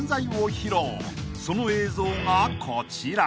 ［その映像がこちら］